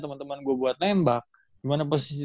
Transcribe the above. temen temen gue buat nembak dimana posisi